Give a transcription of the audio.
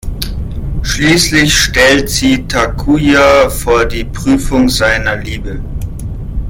Schließlich stellt sie Takuya vor die Prüfung seiner Liebe.